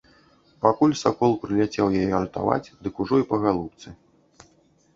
Пакуль сакол прыляцеў яе ратаваць, дык ужо і па галубцы.